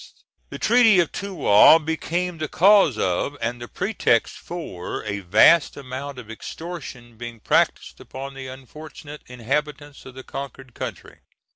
This treaty of Troyes became the cause of, and the pretext for, a vast amount of extortion being practised upon the unfortunate inhabitants of the conquered country.